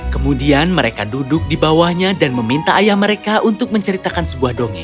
kemudian mereka duduk di bawahnya dan meminta ayah mereka untuk menceritakan sebuah dongeng